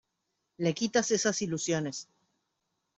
le quitas esas ilusiones.